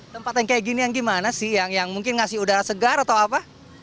tempat yang kayak gini yang gimana sih yang mungkin ngasih udara segar atau apa